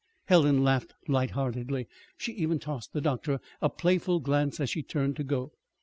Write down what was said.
Helen laughed light heartedly. She even tossed the doctor a playful glance as she turned to go.